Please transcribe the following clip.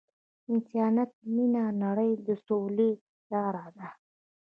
انسانیت او مینه د نړۍ د سولې لاره ده.